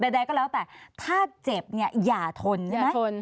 ได้ก็แล้วแต่ถ้าเจ็บอย่าทน